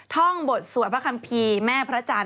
ท่องบทสวัสดิ์พระคัมภีร์แม่พระราชาญ